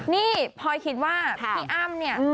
นี่พลอยคิดว่าพี่อ้ำเนี่ย